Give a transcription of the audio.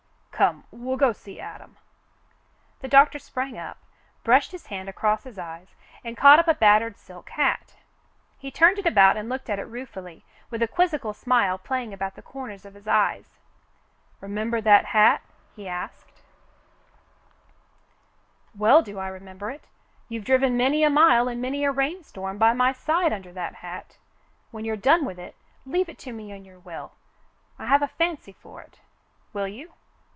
Come, we'll go see Adam." The doctor sprang up, brushed his hand across his eyes, and caught up a battered silk hat. He turned it about and looked at it ruefully, with a quizzical smile playing about the corners of his eyes. "Remember that hat.'^" he asked. 214 The Mountain Girl "Well do I remember it. You've driven many a mile in many a rainstorm by my side under that hat ! When you're done with it, leave it to me in your will. I have a fancy for it. Will you